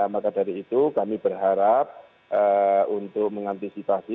maka dari itu kami berharap untuk mengantisipasi